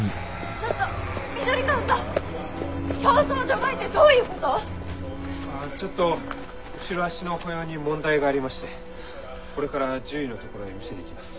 あっちょっと後ろ足の歩様に問題がありましてこれから獣医のところへ診せに行きます。